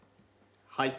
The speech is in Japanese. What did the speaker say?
はい。